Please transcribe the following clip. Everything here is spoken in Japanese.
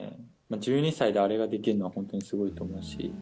１２歳であれができるのは本当にすごいと思うし。